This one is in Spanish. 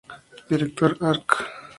Director: Arq.